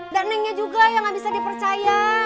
dan neneknya juga yang gak bisa dipercaya